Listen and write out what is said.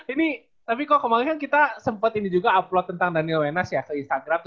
ini tapi kok kemarin kita sempat ini juga upload tentang daniel wenas ya ke instagram